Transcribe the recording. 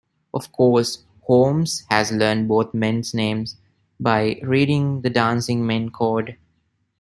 Of course, Holmes has learned both men's names by reading the dancing men code.